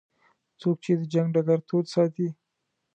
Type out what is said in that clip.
څوک چې د جنګ ډګر تود ساتي.